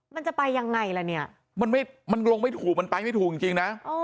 มันจะไปยังไงล่ะเนี่ยมันไม่มันลงไม่ถูกมันไปไม่ถูกจริงนะ